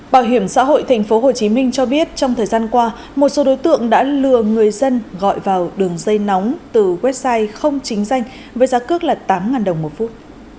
bảo hiểm xã hội tp hcm cho biết trong thời gian qua một số đối tượng đã lừa người dân gọi vào đường dây nóng từ website không chính danh với giá cước là tám đồng một phút